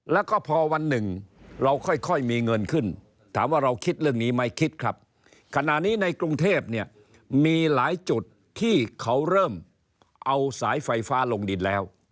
แล้วก็พอวันหนึ่งเราค่อยมีเงินขึ้นถามว่าเราคิดเรื่องนี้ไหมคิดครับขณะนี้ในกรุงเทพเนี่ยมีหลายจุดที่เขาเริ่มเอาสายไฟฟ้าลงดินแล้ว